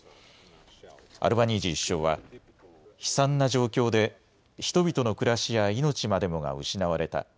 アルバニージー首相は悲惨な状況で人々の暮らしや命までもが失われた。